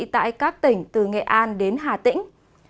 tại các tỉnh từ nghệ an đến hà tĩnh